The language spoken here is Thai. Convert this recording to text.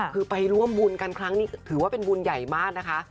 คือไปร่วมบุญกันครั้งนี้ถือว่าเป็นบุญใหญ่มากนะคะ